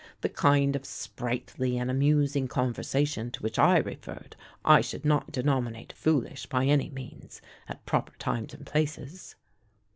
The kind of sprightly and amusing conversation to which I referred, I should not denominate foolish, by any means, at proper times and places."